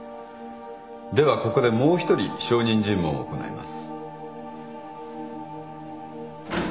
ではここでもう一人証人尋問を行います。